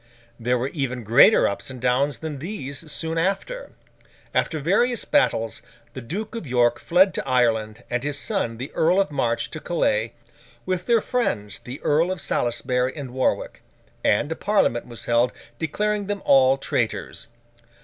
There were even greater ups and downs than these, soon after. After various battles, the Duke of York fled to Ireland, and his son the Earl of March to Calais, with their friends the Earls of Salisbury and Warwick; and a Parliament was held declaring them all traitors.